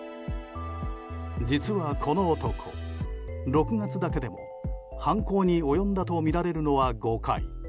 実はこの男６月だけでも犯行に及んだとみられるのは５回。